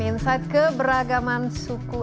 insight keberagaman suku